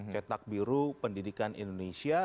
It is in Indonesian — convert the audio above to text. cetak biru pendidikan indonesia